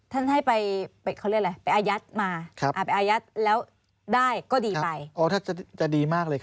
ท่านให้ไปอายัดยังได้ก็ดีไป